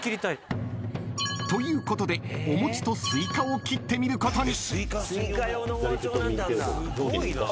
［ということでお餅とスイカを切ってみることに］